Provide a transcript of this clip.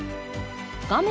画面